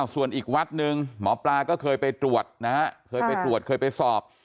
ส่วนอีกวัดหนึ่งหมอปลาก็เคยไปตรวจนะฮะเคยไปสอบ